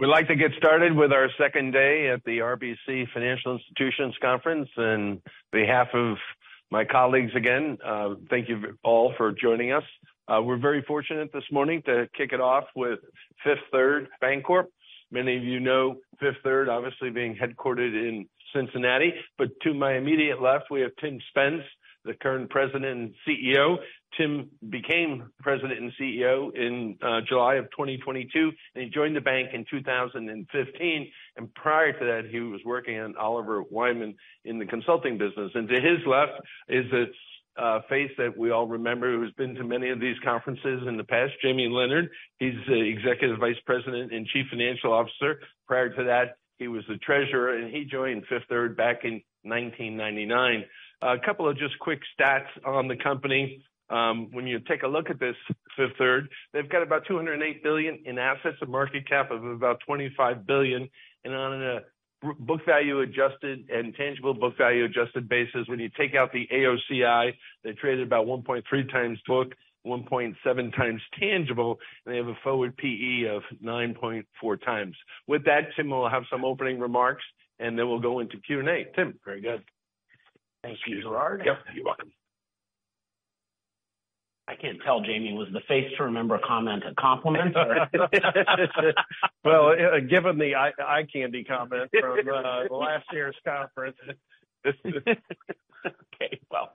We'd like to get started with our second day at the RBC Financial Institutions Conference. On behalf of my colleagues, again, thank you all for joining us. We're very fortunate this morning to kick it off with Fifth Third Bancorp. Many of you know Fifth Third obviously being headquartered in Cincinnati. To my immediate left, we have Tim Spence, the current President and CEO. Tim became President and CEO in July of 2022, and he joined the bank in 2015. Prior to that, he was working at Oliver Wyman in the consulting business. To his left is a face that we all remember who's been to many of these conferences in the past, Jamie Leonard. He's the Executive Vice President and Chief Financial Officer. Prior to that, he was the treasurer, and he joined Fifth Third back in 1999. A couple of just quick stats on the company. When you take a look at this Fifth Third, they've got about $208 billion in assets, a market cap of about $25 billion. On a book value adjusted and tangible book value-adjusted basis, when you take out the AOCI, they traded about 1.3 times book, 1.7 times tangible, and they have a forward PE of 9.4 times. With that, Tim will have some opening remarks. Then we'll go into Q&A. Tim. Very good. Thank you, Gerard. Yep, you're welcome. I can't tell, Jamie, was the face to remember comment a compliment or? Well, given the eye candy comment from last year's conference. Okay. Well,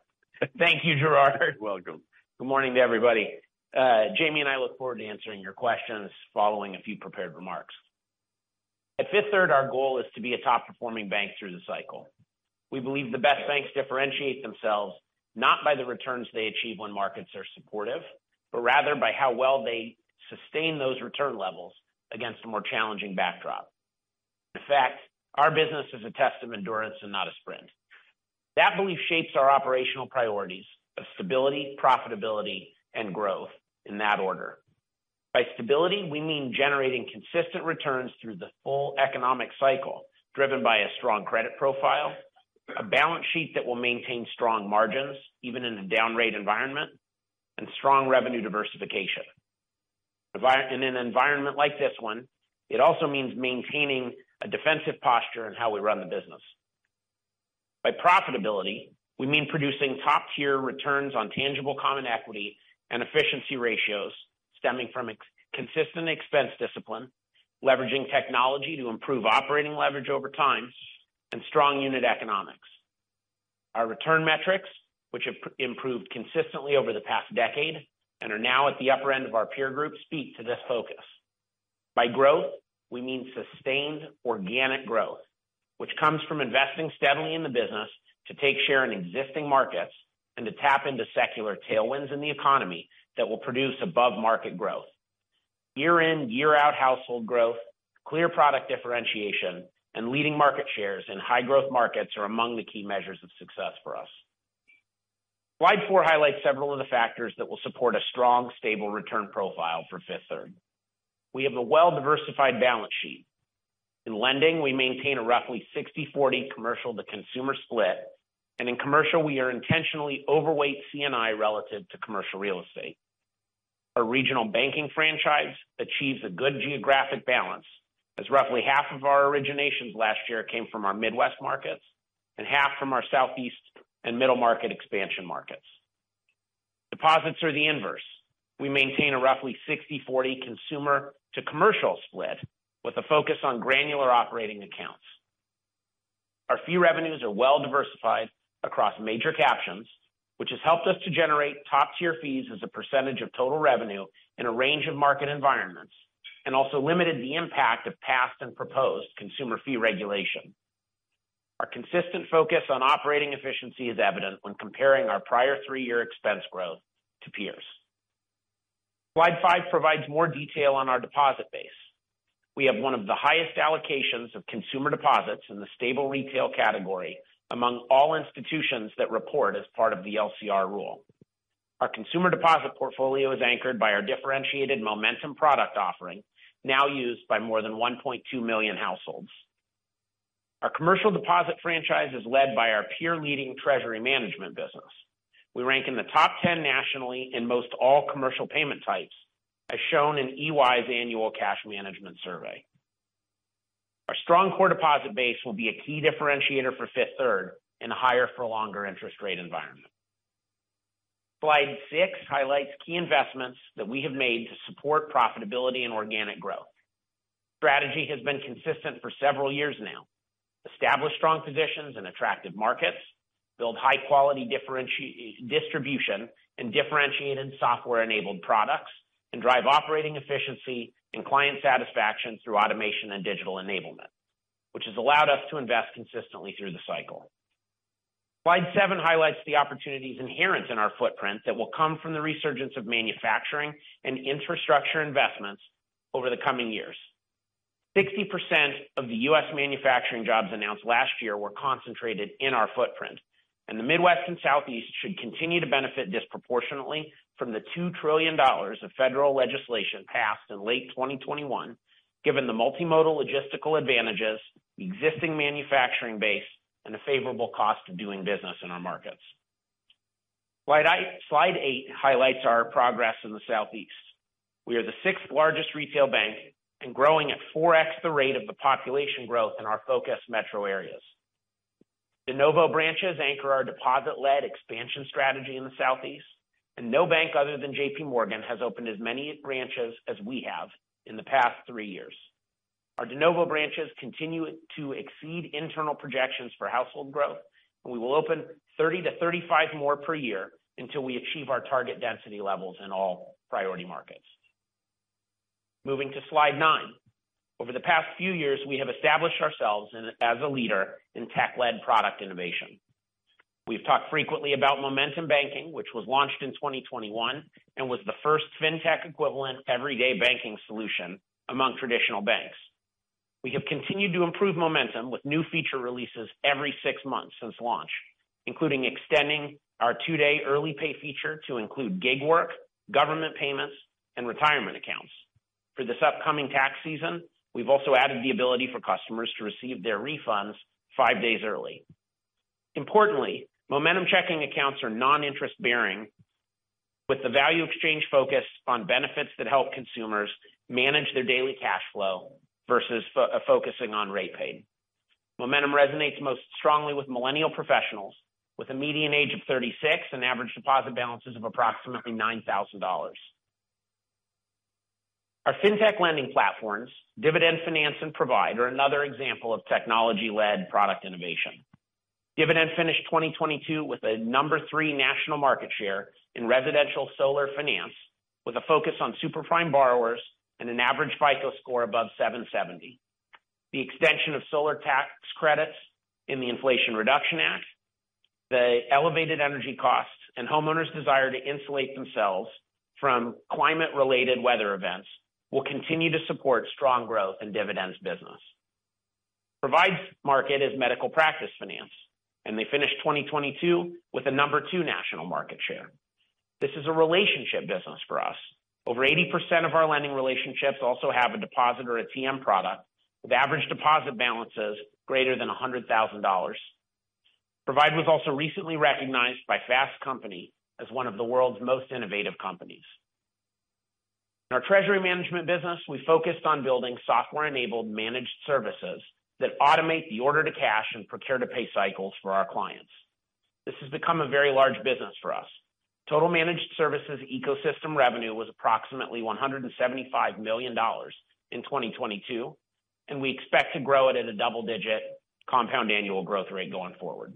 thank you, Gerard. You're welcome. Good morning to everybody. Jamie and I look forward to answering your questions following a few prepared remarks. At Fifth Third, our goal is to be a top-performing bank through the cycle. We believe the best banks differentiate themselves not by the returns they achieve when markets are supportive, but rather by how well they sustain those return levels against a more challenging backdrop. In fact, our business is a test of endurance and not a sprint. That belief shapes our operational priorities of stability, profitability, and growth in that order. By stability, we mean generating consistent returns through the full economic cycle, driven by a strong credit profile, a balance sheet that will maintain strong margins even in a down rate environment, and strong revenue diversification. In an environment like this one, it also means maintaining a defensive posture in how we run the business. By profitability, we mean producing top-tier returns on tangible common equity and efficiency ratios stemming from ex-consistent expense discipline, leveraging technology to improve operating leverage over time, and strong unit economics. Our return metrics, which have improved consistently over the past decade and are now at the upper end of our peer group, speak to this focus. By growth, we mean sustained organic growth, which comes from investing steadily in the business to take share in existing markets and to tap into secular tailwinds in the economy that will produce above-market growth. Year in, year out household growth, clear product differentiation, and leading market shares in high-growth markets are among the key measures of success for us. Slide 4 highlights several of the factors that will support a strong, stable return profile for Fifth Third. We have a well-diversified balance sheet. In lending, we maintain a roughly 60/40 commercial to consumer split. In commercial, we are intentionally overweight C&I relative to commercial real estate. Our regional banking franchise achieves a good geographic balance, as roughly half of our originations last year came from our Midwest markets and half from our Southeast and middle market expansion markets. Deposits are the inverse. We maintain a roughly 60/40 consumer to commercial split with a focus on granular operating accounts. Our fee revenues are well diversified across major captions, which has helped us to generate top-tier fees as a % of total revenue in a range of market environments and also limited the impact of past and proposed consumer fee regulation. Our consistent focus on operating efficiency is evident when comparing our prior 3-year expense growth to peers. Slide 5 provides more detail on our deposit base. We have one of the highest allocations of consumer deposits in the stable retail category among all institutions that report as part of the LCR rule. Our consumer deposit portfolio is anchored by our differentiated Momentum product offering, now used by more than 1.2 million households. Our commercial deposit franchise is led by our peer leading treasury management business. We rank in the top 10 nationally in most all commercial payment types, as shown in EY's annual Cash Management Survey. Our strong core deposit base will be a key differentiator for Fifth Third in a higher for longer interest rate environment. Slide six highlights key investments that we have made to support profitability and organic growth. Strategy has been consistent for several years now. Establish strong positions in attractive markets, build high-quality distribution and differentiated software-enabled products, drive operating efficiency and client satisfaction through automation and digital enablement, which has allowed us to invest consistently through the cycle. Slide seven highlights the opportunities inherent in our footprint that will come from the resurgence of manufacturing and infrastructure investments over the coming years. 60% of the U.S. manufacturing jobs announced last year were concentrated in our footprint, the Midwest and Southeast should continue to benefit disproportionately from the $2 trillion of federal legislation passed in late 2021, given the multimodal logistical advantages, existing manufacturing base, and a favorable cost of doing business in our markets. Slide eight highlights our progress in the Southeast. We are the sixth largest retail bank and growing at 4x the rate of the population growth in our focus metro areas. De Novo branches anchor our deposit-led expansion strategy in the Southeast. No bank other than JPMorgan has opened as many branches as we have in the past three years. Our de novo branches continue to exceed internal projections for household growth. We will open 30-35 more per year until we achieve our target density levels in all priority markets. Moving to slide 9. Over the past few years, we have established ourselves as a leader in tech-led product innovation. We've talked frequently about Momentum Banking, which was launched in 2021 and was the first fintech equivalent everyday banking solution among traditional banks. We have continued to improve Momentum with new feature releases every six months since launch, including extending our 2-day early pay feature to include gig work, government payments, and retirement accounts. For this upcoming tax season, we've also added the ability for customers to receive their refunds 5 days early. Importantly, Momentum Checking accounts are non-interest bearing with the value exchange focus on benefits that help consumers manage their daily cash flow versus focusing on rate pay. Momentum resonates most strongly with millennial professionals with a median age of 36 and average deposit balances of approximately $9,000. Our fintech lending platforms, Dividend Finance and Provide, are another example of technology-led product innovation. Dividend finished 2022 with a number 3 national market share in residential solar finance, with a focus on super-prime borrowers and an average FICO score above 770. The extension of solar tax credits in the Inflation Reduction Act, the elevated energy costs, and homeowners desire to insulate themselves from climate-related weather events will continue to support strong growth in Dividend's business. Provide's market is medical practice finance, and they finished 2022 with a number 2 national market share. This is a relationship business for us. Over 80% of our lending relationships also have a deposit or a TM product with average deposit balances greater than $100,000. Provide was also recently recognized by Fast Company as one of the world's most innovative companies. In our treasury management business, we focused on building software-enabled managed services that automate the order to cash and procure to pay cycles for our clients. This has become a very large business for us. Total managed services ecosystem revenue was approximately $175 million in 2022, and we expect to grow it at a double-digit compound annual growth rate going forward.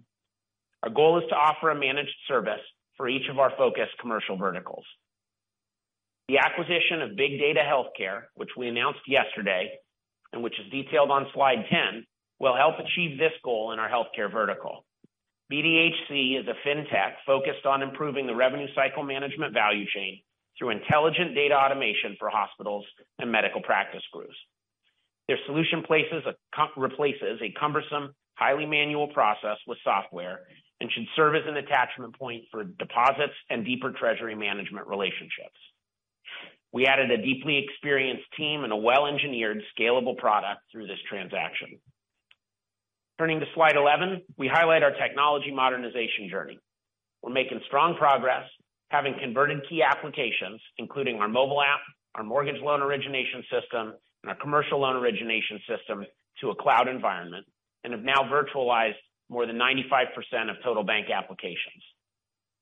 Our goal is to offer a managed service for each of our focus commercial verticals. The acquisition of Big Data Healthcare, which we announced yesterday and which is detailed on slide 10, will help achieve this goal in our healthcare vertical. BDHC is a fintech focused on improving the revenue cycle management value chain through intelligent data automation for hospitals and medical practice groups. Their solution replaces a cumbersome, highly manual process with software and should serve as an attachment point for deposits and deeper treasury management relationships. We added a deeply experienced team and a well-engineered scalable product through this transaction. Turning to slide 11, we highlight our technology modernization journey. We're making strong progress, having converted key applications, including our mobile app, our mortgage loan origination system, and our commercial loan origination system to a cloud environment, and have now virtualized more than 95% of total bank applications.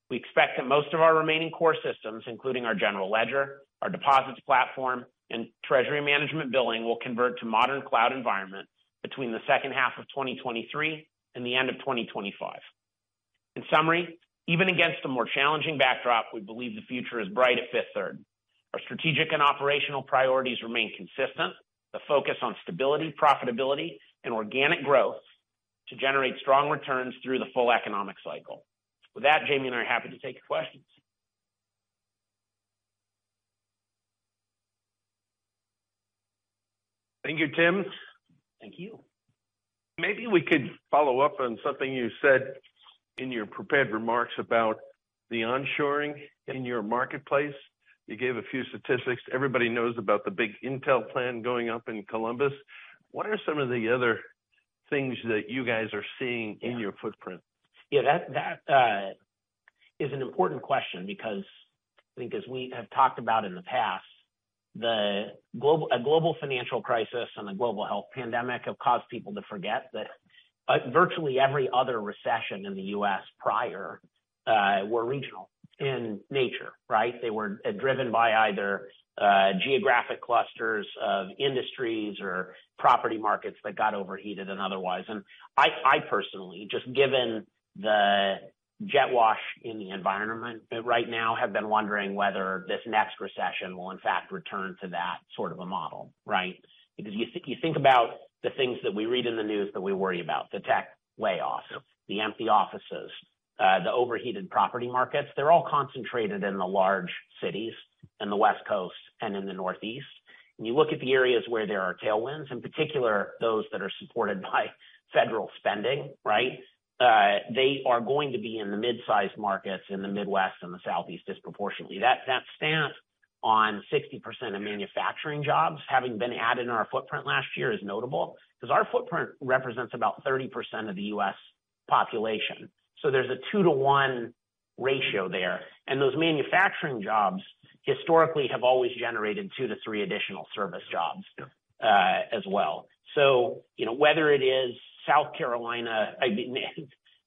We expect that most of our remaining core systems, including our general ledger, our deposits platform, and treasury management billing, will convert to modern cloud environments between the second half of 2023 and the end of 2025. In summary, even against a more challenging backdrop, we believe the future is bright at Fifth Third. Our strategic and operational priorities remain consistent. The focus on stability, profitability, and organic growth to generate strong returns through the full economic cycle. With that, Jamie and I are happy to take your questions. Thank you, Tim. Thank you. We could follow up on something you said in your prepared remarks about the onshoring in your marketplace. You gave a few statistics. Everybody knows about the big Intel plan going up in Columbus. What are some of the other things that you guys are seeing in your footprint? Yeah, that is an important question because I think as we have talked about in the past, a global financial crisis and the global health pandemic have caused people to forget that virtually every other recession in the U.S. prior were regional in nature, right? They were driven by either geographic clusters of industries or property markets that got overheated and otherwise. I personally, just given the jet wash in the environment right now, have been wondering whether this next recession will in fact return to that sort of a model, right? You think about the things that we read in the news that we worry about, the tech layoffs, the empty offices, the overheated property markets. They're all concentrated in the large cities in the West Coast and in the Northeast. You look at the areas where there are tailwinds, in particular, those that are supported by federal spending, right? They are going to be in the mid-sized markets in the Midwest and the Southeast disproportionately. That stance on 60% of manufacturing jobs having been added in our footprint last year is notable because our footprint represents about 30% of the U.S. population. There's a 2-to-1 ratio there. Those manufacturing jobs historically have always generated two to three additional service jobs as well. You know, whether it is South Carolina, I mean,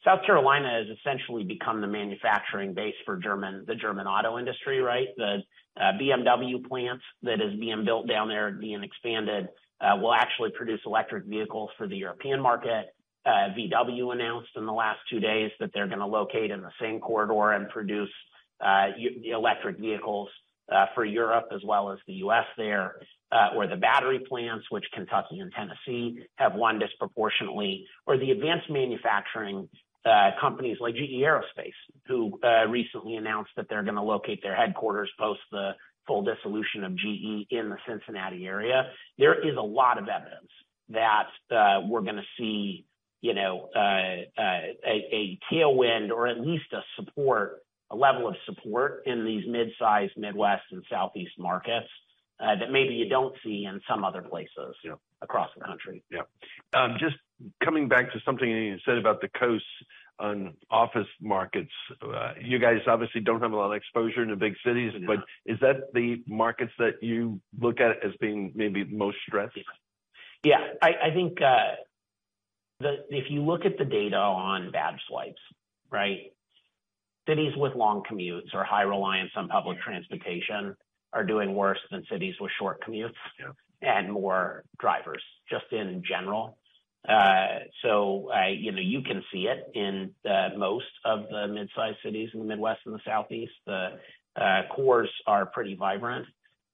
South Carolina has essentially become the manufacturing base for the German auto industry, right? The BMW plant that is being built down there, being expanded, will actually produce electric vehicles for the European market. VW announced in the last two days that they're gonna locate in the same corridor and produce e-electric vehicles for Europe as well as the US there, or the battery plants which Kentucky and Tennessee have won disproportionately, or the advanced manufacturing companies like GE Aerospace, who recently announced that they're gonna locate their headquarters post the full dissolution of GE in the Cincinnati area. There is a lot of evidence that we're gonna see, you know, a tailwind or at least a level of support in these midsize Midwest and Southeast markets that maybe you don't see in some other places. Yeah. across the country. Just coming back to something you said about the coasts on office markets. You guys obviously don't have a lot of exposure to big cities. No. Is that the markets that you look at as being maybe most stressed? I think, if you look at the data on badge swipes, right? Cities with long commutes or high reliance on public transportation are doing worse than cities with short commutes- Yeah. more drivers, just in general. You know, you can see it in most of the mid-sized cities in the Midwest and the Southeast. The cores are pretty vibrant.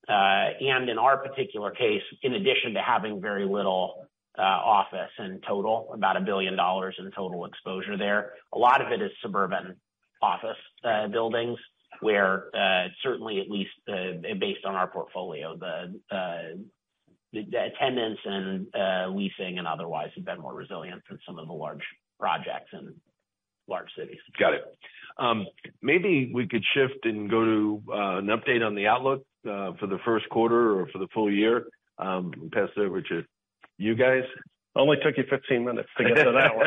In our particular case, in addition to having very little office in total, about $1 billion in total exposure there, a lot of it is suburban office buildings where certainly at least based on our portfolio, the attendance and leasing and otherwise have been more resilient than some of the large projects in large cities. Got it. Maybe we could shift and go to an update on the outlook for the first quarter or for the full year. Pass it over to you guys. Only took you 15 minutes to get to that one.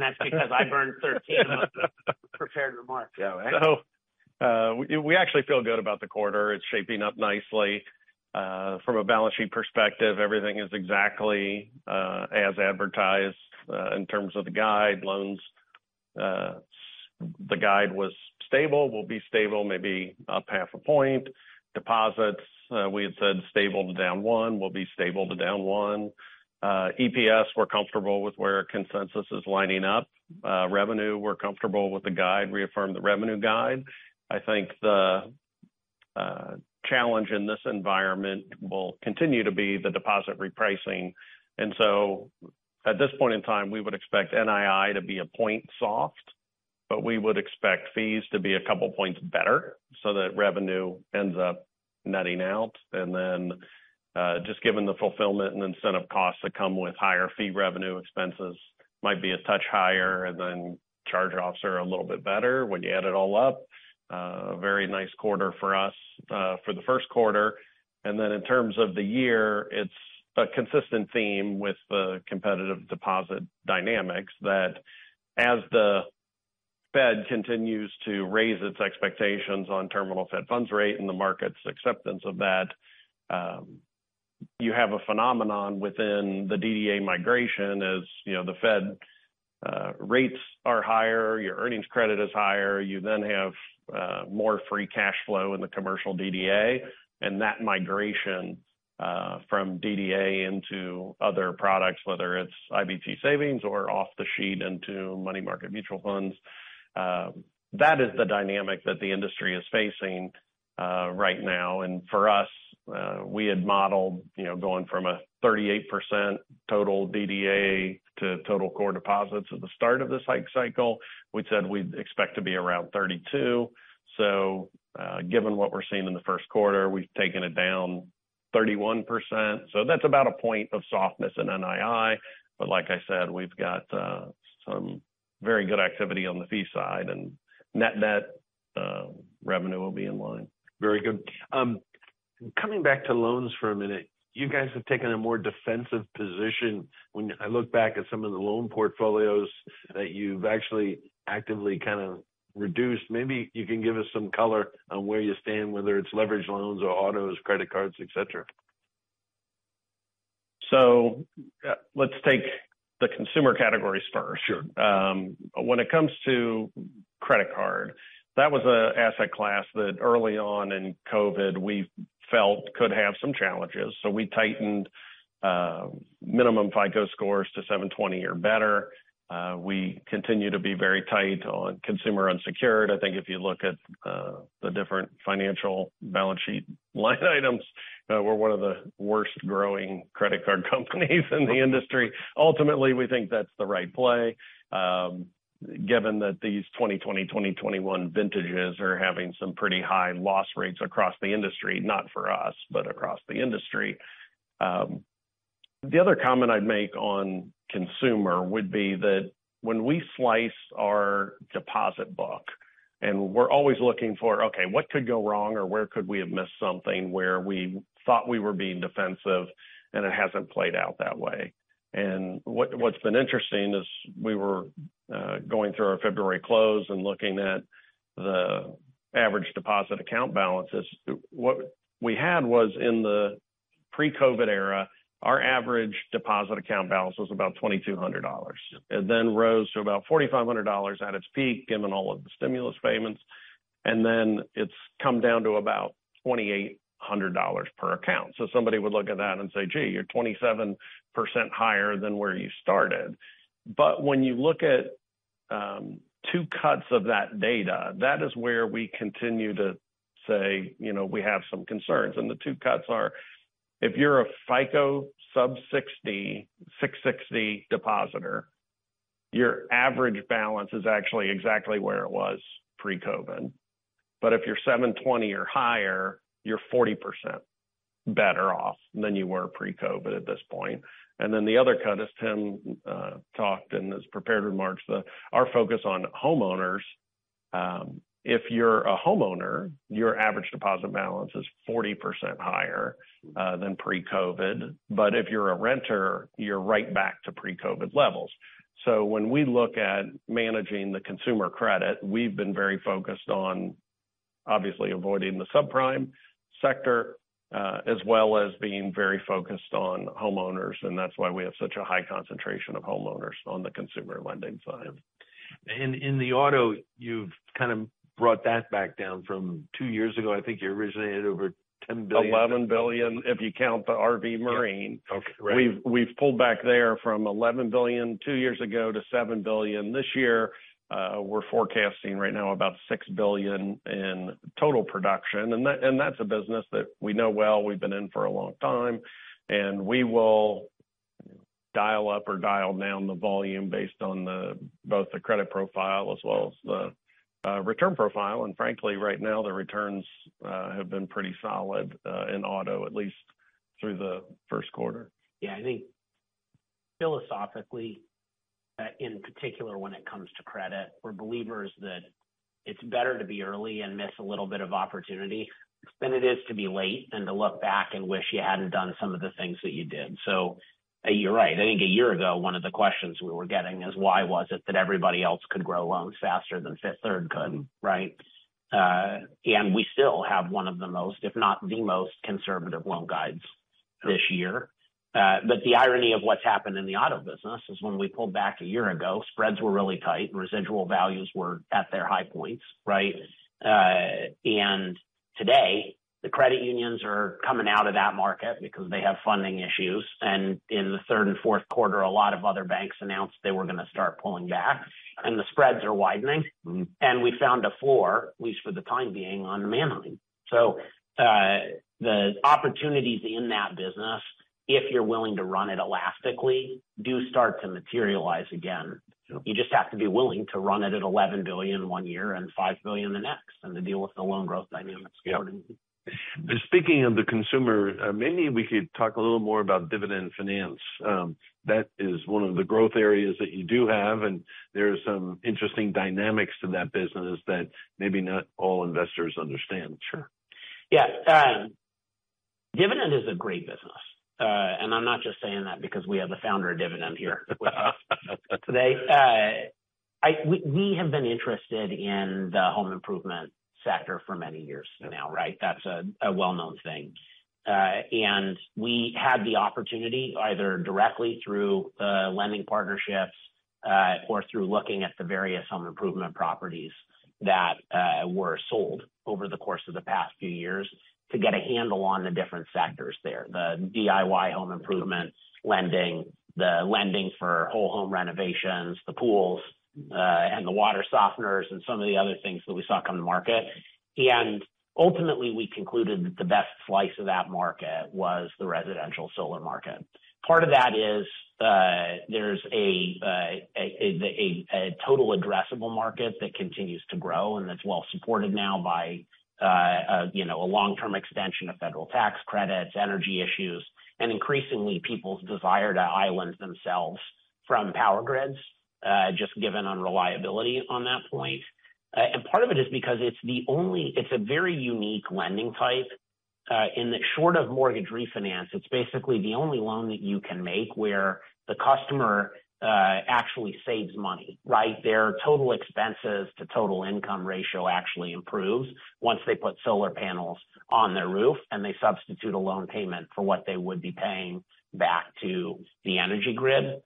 that's because I burned 13 on the prepared remarks. We actually feel good about the quarter. It's shaping up nicely. From a balance sheet perspective, everything is exactly as advertised. In terms of the guide loans, the guide was stable, will be stable, maybe up half a point. Deposits, we had said stable to down 1%, will be stable to down 1%. EPS, we're comfortable with where consensus is lining up. Revenue, we're comfortable with the guide. Reaffirm the revenue guide. I think the challenge in this environment will continue to be the deposit repricing. At this point in time, we would expect NII to be a point soft, but we would expect fees to be a couple points better so that revenue ends up netting out. Then, just given the fulfillment and incentive costs that come with higher fee revenue expenses might be a touch higher and then charge offs are a little bit better. When you add it all up, a very nice quarter for us for the first quarter. Then, in terms of the year, it's a consistent theme with the competitive deposit dynamics that as the Fed continues to raise its expectations on terminal Fed funds rate and the market's acceptance of that, you have a phenomenon within the DDA migration. As you know, the Fed rates are higher, your earnings credit is higher. You have more free cash flow in the commercial DDA, that migration from DDA into other products, whether it's IBT savings or off the sheet into money market mutual funds, that is the dynamic that the industry is facing right now. For us, we had modeled, you know, going from a 38% total DDA to total core deposits. At the start of this hike cycle, we said we'd expect to be around 32%. Given what we're seeing in the first quarter, we've taken it down 31%. That's about a point of softness in NII. Like I said, we've got some very good activity on the fee side and net-net, revenue will be in line. Very good. Coming back to loans for a minute, you guys have taken a more defensive position. When I look back at some of the loan portfolios that you've actually actively kinda reduced, maybe you can give us some color on where you stand, whether it's leverage loans or autos, credit cards, et cetera. Let's take the consumer categories first. Sure. When it comes to credit card, that was an asset class that early on in COVID we felt could have some challenges. We tightened minimum FICO scores to 720 or better. We continue to be very tight on consumer unsecured. I think if you look at the different financial balance sheet line items, we're one of the worst-growing credit card companies in the industry. Ultimately, we think that's the right play, given that these 2020, 2021 vintages are having some pretty high loss rates across the industry. Not for us, but across the industry. The other comment I'd make on consumer would be that when we slice our deposit book and we're always looking for, okay, what could go wrong or where could we have missed something where we thought we were being defensive and it hasn't played out that way? What's been interesting is we were going through our February close and looking at the average deposit account balances. What we had was in the pre-COVID era, our average deposit account balance was about $2,200. It then rose to about $4,500 at its peak, given all of the stimulus payments, and then it's come down to about $2,800 per account. Somebody would look at that and say, "Gee, you're 27% higher than where you started." When you look at 2 cuts of that data, that is where we continue to say, you know, we have some concerns. The 2 cuts are, if you're a FICO sub-660 depositor, your average balance is actually exactly where it was pre-COVID. If you're 720 or higher, you're 40% better off than you were pre-COVID at this point. The other cut, as Tim talked in his prepared remarks, our focus on homeowners. If you're a homeowner, your average deposit balance is 40% higher than pre-COVID. If you're a renter, you're right back to pre-COVID levels. When we look at managing the consumer credit, we've been very focused on obviously avoiding the subprime sector, as well as being very focused on homeowners, and that's why we have such a high concentration of homeowners on the consumer lending side. In the auto, you've kind of brought that back down from two years ago. I think you originated over $10 billion. $11 billion, if you count the RV marine. Okay. Great. We've pulled back there from $11 billion two years ago to $7 billion this year. We're forecasting right now about $6 billion in total production. That's a business that we know well, we've been in for a long time. We will dial up or dial down the volume based on both the credit profile as well as the return profile. Frankly, right now, the returns have been pretty solid in auto at least through the first quarter. Yeah. I think philosophically, in particular when it comes to credit, we're believers that it's better to be early and miss a little bit of opportunity than it is to be late and to look back and wish you hadn't done some of the things that you did. You're right. I think a year ago, one of the questions we were getting is, why was it that everybody else could grow loans faster than Fifth Third could, right? We still have one of the most, if not the most conservative loan guides this year. The irony of what's happened in the auto business is when we pulled back a year ago, spreads were really tight. Residual values were at their high points, right? Today the credit unions are coming out of that market because they have funding issues. In the third and fourth quarter, a lot of other banks announced they were gonna start pulling back, and the spreads are widening. Mm-hmm. We found a floor, at least for the time being, on the mainline. The opportunities in that business, if you're willing to run it elastically, do start to materialize again. Sure. You just have to be willing to run it at $11 billion one year and $5 billion the next, and to deal with the loan growth dynamics accordingly. Yeah. Speaking of the consumer, maybe we could talk a little more about Dividend Finance. That is one of the growth areas that you do have. There's some interesting dynamics to that business that maybe not all investors understand. Sure. Yeah. Dividend is a great business. I'm not just saying that because we have the founder of Dividend with us today. We have been interested in the home improvement sector for many years now, right? That's a well-known thing. We had the opportunity, either directly through lending partnerships, or through looking at the various home improvement properties that were sold over the course of the past few years to get a handle on the different sectors there. The DIY home improvements lending, the lending for whole home renovations, the pools, and the water softeners, and some of the other things that we saw come to market. Ultimately, we concluded that the best slice of that market was the residential solar market. Part of that is, there's a total addressable market that continues to grow and that's well supported now by, you know, a long-term extension of federal tax credits, energy issues, and increasingly people's desire to island themselves from power grids, just given unreliability on that point. Part of it is because it's a very unique lending type, in that short of mortgage refinance, it's basically the only loan that you can make where the customer actually saves money, right? Their total expenses to total income ratio actually improves once they put solar panels on their roof and they substitute a loan payment for what they would be paying back to the energy grid.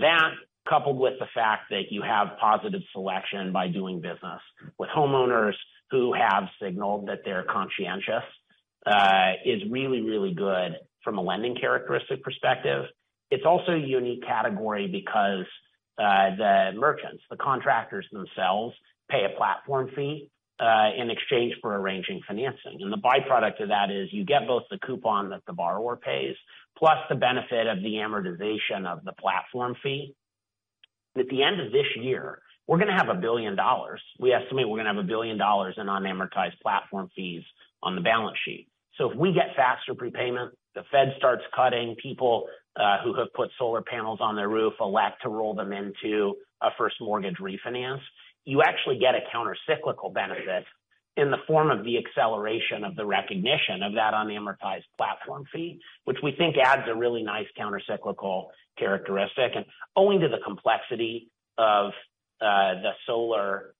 That, coupled with the fact that you have positive selection by doing business with homeowners who have signaled that they're conscientious, is really, really good from a lending characteristic perspective. It's also a unique category because the merchants, the contractors themselves, pay a platform fee in exchange for arranging financing. The byproduct of that is you get both the coupon that the borrower pays, plus the benefit of the amortization of the platform fee. At the end of this year, we're gonna have $1 billion. We estimate we're gonna have $1 billion in unamortized platform fees on the balance sheet. If we get faster prepayment, the Fed starts cutting people who have put solar panels on their roof elect to roll them into a first mortgage refinance, you actually get a counter-cyclical benefit in the form of the acceleration of the recognition of that unamortized platform fee, which we think adds a really nice counter-cyclical characteristic. Owing to the complexity of the solar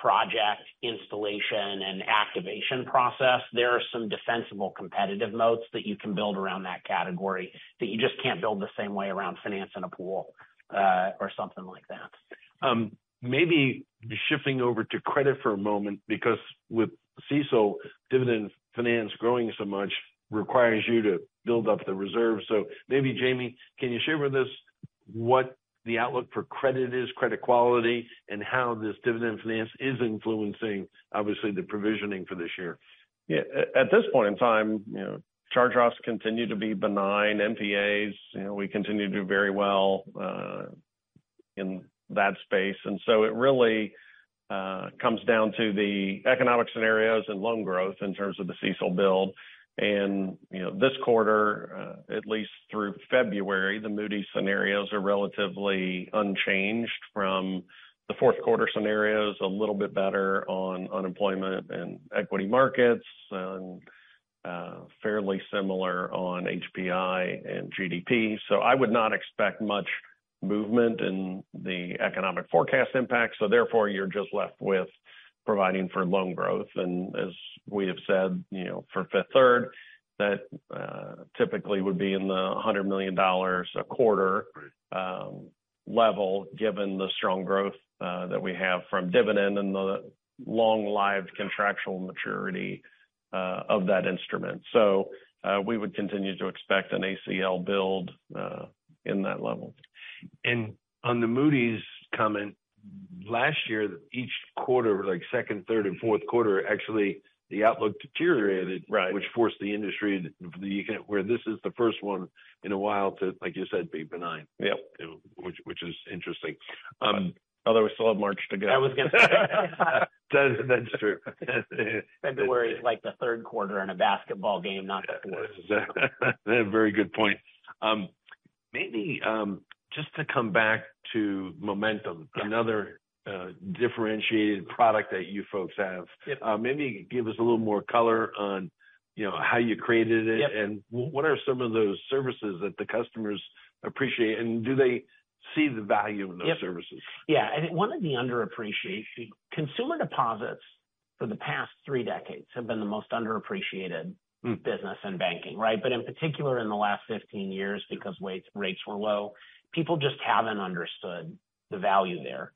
project installation and activation process, there are some defensible competitive moats that you can build around that category that you just can't build the same way around financing a pool or something like that. Maybe shifting over to credit for a moment because with CECL Dividend Finance growing so much requires you to build up the reserve. Maybe Jamie, can you share with us what the outlook for credit is, credit quality, and how this Dividend Finance is influencing obviously the provisioning for this year? Yeah. At this point in time, you know, charge-offs continue to be benign. NPAs, you know, we continue to do very well in that space. It really comes down to the economic scenarios and loan growth in terms of the CECL build. You know, this quarter, at least through February, the Moody's scenarios are relatively unchanged from the fourth quarter scenarios. A little bit better on unemployment and equity markets and fairly similar on HPI and GDP. I would not expect much movement in the economic forecast impact. Therefore, you're just left with providing for loan growth. As we have said, you know, for Fifth Third, that typically would be in the $100 million a quarter level given the strong growth that we have from Dividend and the long-lived contractual maturity of that instrument. We would continue to expect an ACL build in that level. On the Moody's comment, last year, each quarter, like second, third and fourth quarter, actually the outlook deteriorated... Right... which forced the industry where this is the first one in a while to, like you said, be benign. Yep. Which is interesting. We still have March to go. That's true. February is like the third quarter in a basketball game, not the fourth. Very good point. maybe just to come back to Momentum. Yeah... another, differentiated product that you folks have. Yeah. Maybe give us a little more color on, you know, how you created? Yeah What are some of those services that the customers appreciate, and do they see the value in those services? I think consumer deposits for the past three decades have been the most underappreciated business in banking, right? In particular in the last 15 years because rates were low, people just haven't understood the value there.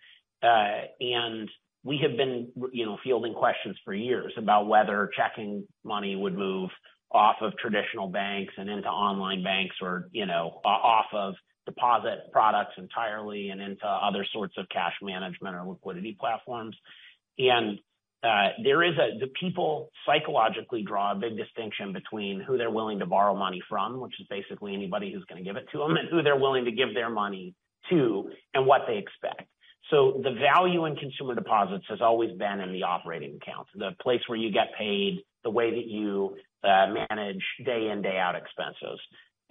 We have been, you know, fielding questions for years about whether checking money would move off of traditional banks and into online banks or, you know, off of deposit products entirely and into other sorts of cash management or liquidity platforms. The people psychologically draw a big distinction between who they're willing to borrow money from, which is basically anybody who's going to give it to them and who they're willing to give their money to and what they expect. The value in consumer deposits has always been in the operating accounts, the place where you get paid, the way that you manage day in, day out expenses.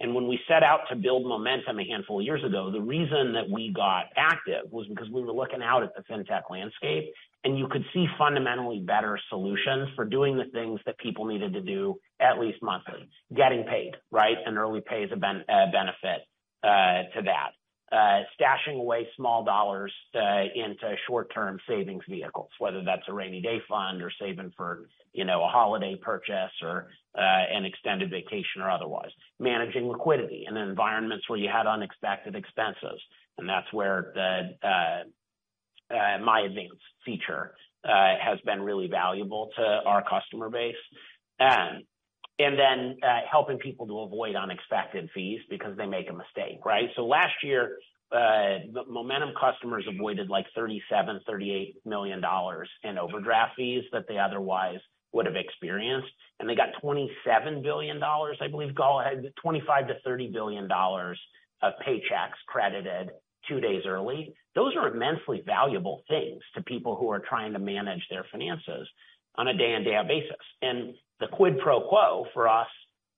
When we set out to build Momentum a handful of years ago, the reason that we got active was because we were looking out at the fintech landscape, and you could see fundamentally better solutions for doing the things that people needed to do at least monthly. Getting paid, right? An early pay is a benefit to that. Stashing away small dollars into short-term savings vehicles, whether that's a rainy day fund or saving for, you know, a holiday purchase or an extended vacation or otherwise. Managing liquidity in environments where you had unexpected expenses. That's where the MyAdvance feature has been really valuable to our customer base. Then, helping people to avoid unexpected fees because they make a mistake, right? Last year, Momentum customers avoided like $37 million-$38 million in overdraft fees that they otherwise would have experienced. They got $27 billion, I believe, go ahead, $25 billion-$30 billion of paychecks credited two days early. Those are immensely valuable things to people who are trying to manage their finances on a day and day out basis. The quid pro quo for us,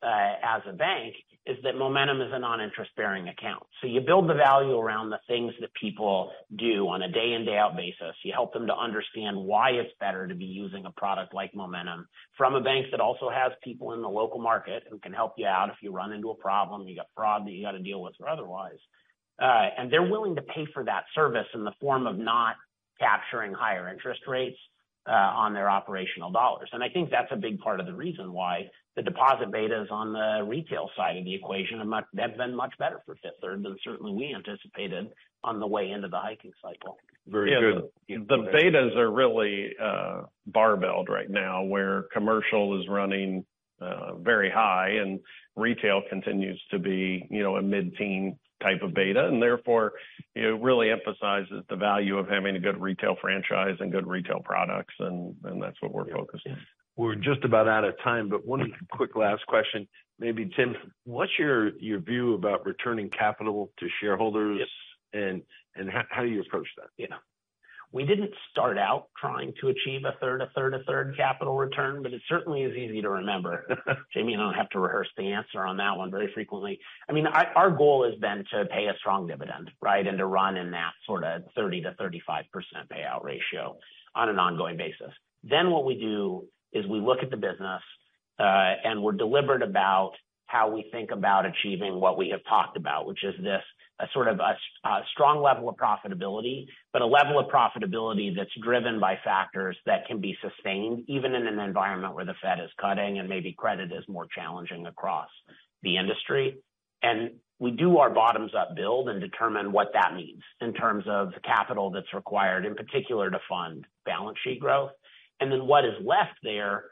as a bank is that Momentum is a non-interest-bearing account. You build the value around the things that people do on a day in, day out basis. You help them to understand why it's better to be using a product like Momentum from a bank that also has people in the local market who can help you out if you run into a problem, you got fraud that you got to deal with or otherwise. They're willing to pay for that service in the form of not capturing higher interest rates on their operational dollars. I think that's a big part of the reason why the deposit betas on the retail side of the equation have been much better for Fifth Third than certainly we anticipated on the way into the hiking cycle. Very good. The betas are really, barbelled right now, where commercial is running, very high and retail continues to be, you know, a mid-teen type of beta. Therefore, it really emphasizes the value of having a good retail franchise and good retail products. That's what we're focused on. We're just about out of time, but one quick last question. Maybe Tim, what's your view about returning capital to shareholders? Yes How do you approach that? We didn't start out trying to achieve a third, a third, a third capital return. It certainly is easy to remember. Jamie and I don't have to rehearse the answer on that one very frequently. I mean, our goal has been to pay a strong dividend, right? To run in that sort of 30% to 35% payout ratio on an ongoing basis. What we do is we look at the business, and we're deliberate about how we think about achieving what we have talked about, which is this sort of a strong level of profitability, but a level of profitability that's driven by factors that can be sustained even in an environment where the Fed is cutting and maybe credit is more challenging across the industry. We do our bottoms-up build and determine what that means in terms of capital that's required, in particular to fund balance sheet growth. Then what is left there,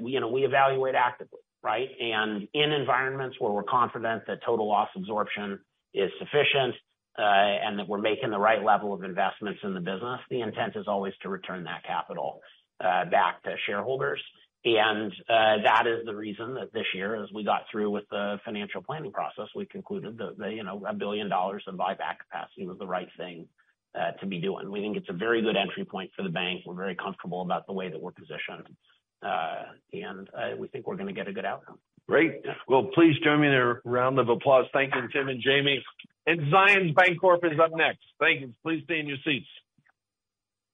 we, you know, we evaluate actively, right? In environments where we're confident that total loss absorption is sufficient, and that we're making the right level of investments in the business, the intent is always to return that capital back to shareholders. That is the reason that this year, as we got through with the financial planning process, we concluded that, you know, $1 billion in buyback capacity was the right thing to be doing. We think it's a very good entry point for the bank. We're very comfortable about the way that we're positioned. We think we're gonna get a good outcome. Great. Well, please join me in a round of applause thanking Tim and Jamie. Zions Bancorporation is up next. Thank you. Please stay in your seats.